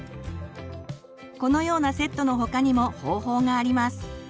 このようなセットの他にも方法があります。